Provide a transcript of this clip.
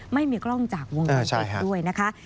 ไม่มีกล้องจากวงจรปิดด้วยนะคะ